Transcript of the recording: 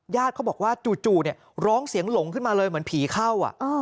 เขาบอกว่าจู่ร้องเสียงหลงขึ้นมาเลยเหมือนผีเข้า